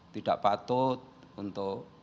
tidak patut untuk